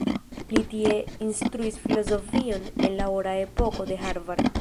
Li tie instruis filozofion en la ora epoko de Harvard.